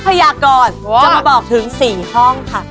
จะมาบอกถึง๔ห้องค่ะ